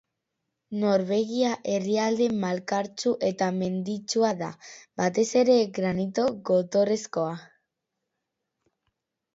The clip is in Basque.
Norvegia herrialde malkartsu eta menditsua da, batez ere granito gotorrezkoa.